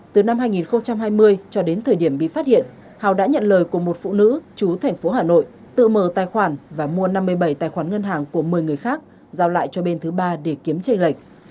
từ năm hai nghìn hai mươi cho đến thời điểm bị phát hiện hào đã nhận lời của một phụ nữ chú thành phố hà nội tự mở tài khoản và mua năm mươi bảy tài khoản ngân hàng của một mươi người khác giao lại cho bên thứ ba để kiếm trên lệch